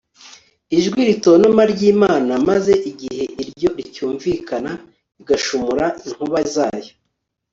ijwi ritontoma ry'imana, maze igihe iryo ricyumvikana, igashumura inkuba zayo